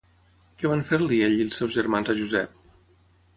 Què van fer-li ell i els seus germans a Josep?